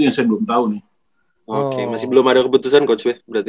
masih belum ada keputusan coach